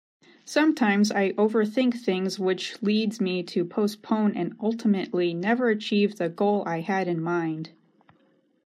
Sometimes I overthink things which leads me to postpone and ultimately never achieve the goal I had in mind.